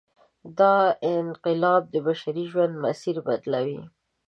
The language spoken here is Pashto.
دا انقلابونه د بشري ژوند مسیر بدلوي.